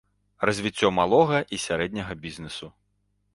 Развіццё малога і сярэдняга бізнесу.